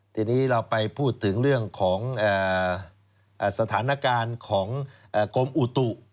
ทีนี้เราไปพูดถึงเรื่องของสถานการณ์ของกรมอุตุ